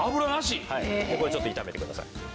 ちょっと炒めてください。